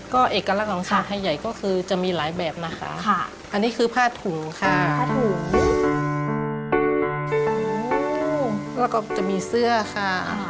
ก็เอกลักษณ์ของชาวไทยใหญ่ก็คือจะมีหลายแบบนะคะอันนี้คือผ้าถุงค่ะผ้าถุงแล้วก็จะมีเสื้อค่ะ